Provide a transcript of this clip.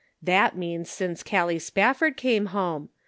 That means since Callie Spafford came home.